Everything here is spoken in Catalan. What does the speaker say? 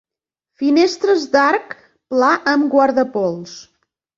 Finestres d'arc pla amb guardapols.